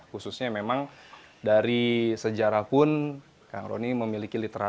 khususnya memang dari sejarah pun kang rony memiliki literasi